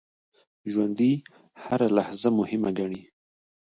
ژوندي هره لحظه مهمه ګڼي